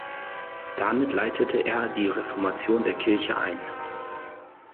Damit leitete er die Reformation der Kirche ein.